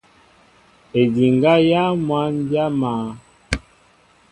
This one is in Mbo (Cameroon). Ediŋga yááŋ măn dya maá.